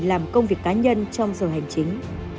làm công việc cá nhân trong giờ hành chính